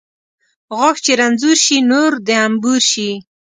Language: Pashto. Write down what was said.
غاښ چې رنځور شي ، نور د انبور شي .